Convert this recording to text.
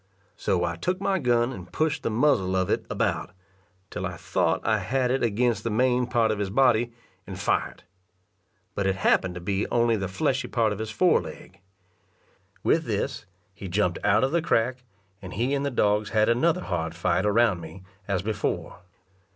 So I took my gun and pushed the muzzle of it about, till I thought I had it against the main part of his body, and fired; but it happened to be only the fleshy part of his foreleg. With this, he jumped out of the crack, and he and the dogs had another hard fight around me, as before.